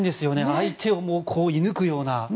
相手を射抜くような。